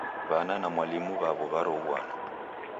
W'ana na mwalimu w'aw'o w'aroghuana